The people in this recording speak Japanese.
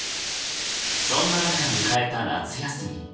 そんな中迎えた夏休み。